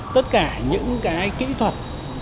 tất cả những kỹ thuật